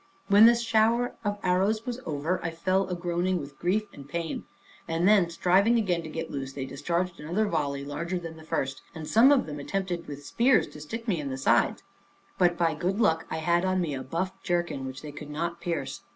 When this shower of arrows was over, I fell a groaning with grief and pain, and then striving again to get loose, they discharged another volley larger than the first, and some of them attempted with spears to stick me in the sides; but, by good luck, I had on me a buff jerkin, which they could not pierce.